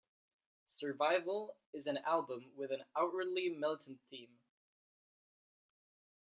Survival is an album with an outwardly militant theme.